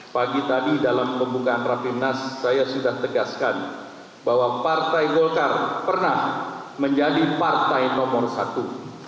pagi tadi dalam pembukaan rapimnas saya sudah tegaskan bahwa partai golkar pernah menjadi partai nomor satu